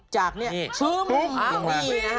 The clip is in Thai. จากเนี่ยปุ้มอ้าวนี่นะฮะ